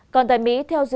còn tại mỹ theo dữ liệu